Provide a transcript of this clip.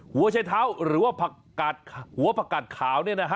หัวชายเท้าหรือว่าหัวผักกาดขาว